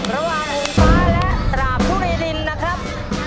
ระหว่างกงฟ้าและกราบภุรีทรีย์นะครับ